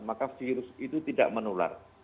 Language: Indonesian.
maka virus itu tidak menular